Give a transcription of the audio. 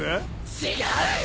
違う！